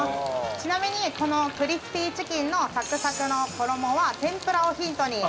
ちなみにこのクリスピーチキンのサクサクの衣は天ぷらをヒントに作っているんです。